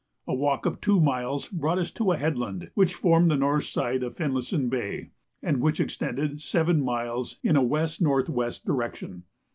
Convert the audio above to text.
A walk of two miles brought us to a head land, which formed the north side of Finlayson Bay, and which extended seven miles in a W.N.W. direction.